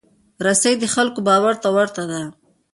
رسۍ د خلکو باور ته ورته ده.